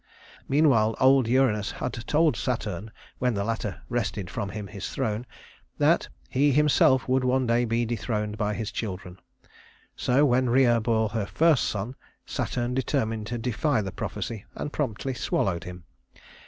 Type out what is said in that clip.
Meanwhile old Uranus had told Saturn, when the latter wrested from him his throne, that he himself would one day be dethroned by his children. So when Rhea bore her first son, Saturn determined to defy the prophecy and promptly swallowed him.